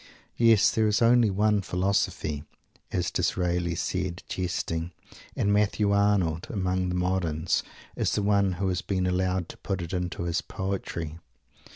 Yes, there is only one Philosophy, as Disraeli said, jesting; and Matthew Arnold, among the moderns, is the one who has been allowed to put it into his poetry.